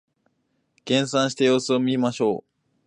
減産して様子を見ましょう